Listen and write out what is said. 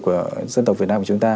của dân tộc việt nam của chúng ta